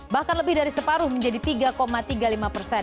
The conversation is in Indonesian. bahkan lebih dari separuh menjadi tiga tiga puluh lima persen